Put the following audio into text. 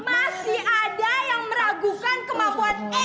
masih ada yang meragukan kemampuan eik ya rupanya